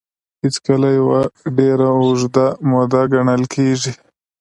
هېڅکله يوه ډېره اوږده موده ګڼل کېږي.